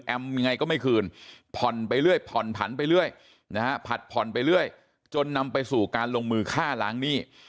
ยังไงก็ไม่คืนผ่อนไปเรื่อยผ่อนผันไปเรื่อยนะฮะผัดผ่อนไปเรื่อยจนนำไปสู่การลงมือฆ่าล้างหนี้